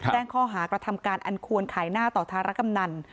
แจ้งข้อหากระทำการอันควรขายหน้าต่อธารกำนัน